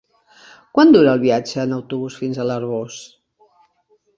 Quant dura el viatge en autobús fins a l'Arboç?